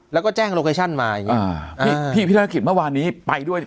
แล้วก็แจ้งโลเคชั่นมาอย่างเงี้อ่าพี่พี่ธนกิจเมื่อวานนี้ไปด้วย